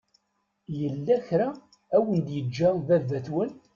Yella kra i awen-d-yeǧǧa baba-twen?